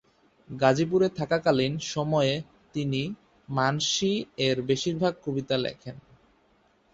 গাজীপুরে থাকাকালীন সময়ে তিনি "মানসী"-এর বেশিরভাগ কবিতা লেখেন।